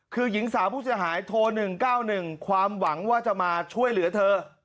คือหญิงสาวผู้เสียหายโทร๑๙๑ความหวังว่าจะมาช่วยเหลือเธอ